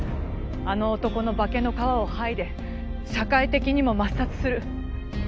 あの男の化けの皮を剥いで社会的にも抹殺する。